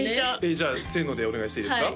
じゃあせのでお願いしていいですか？